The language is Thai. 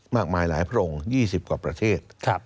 มากมายหลายพระองค์๒๐กว่าประเทศ